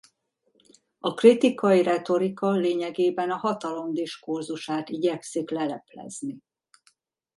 A kritikai retorika lényegében a hatalom diskurzusát igyekszik leleplezni.